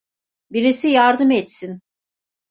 Birisi yardım etsin!